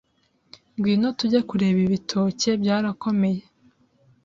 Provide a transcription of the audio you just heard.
ngwino tujye kureba ibitoke byarakomeye